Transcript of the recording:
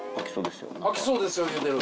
開きそうですよ言うてる。